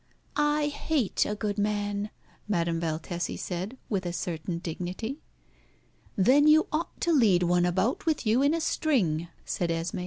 "I hate a good man," Madame Valtesi said, with a certain dignity. "Then you ought to lead one about with you in a string," said Esmé.